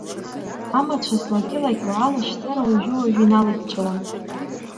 Амацәыс лакьы-лакьуа алашьцара уажәы-уажәы иналыҷҷаауан.